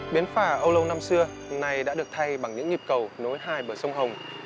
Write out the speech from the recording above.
bến phà âu lâu năm xưa nay đã được thay bằng những nhịp cầu nối hai bờ sông hồng